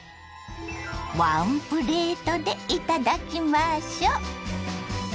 ワンプレートでいただきましょ。